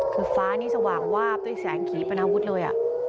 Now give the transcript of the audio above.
คือฟ้านี่สว่างวาบด้วยแสงขีปนาวุฒิเลย